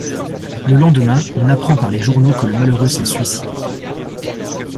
Le lendemain, on apprend par les journaux que le malheureux s’est suicidé.